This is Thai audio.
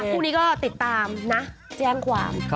คู่นี้ก็ติดตามนะแจ้งความ